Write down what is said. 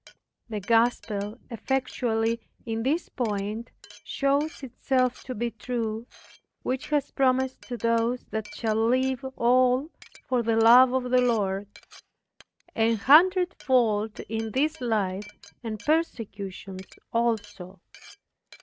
The gospel effectually in this point shows itself to be true, which has promised to those that shall leave all for the love of the Lord, "an hundred fold in this life, and persecutions also."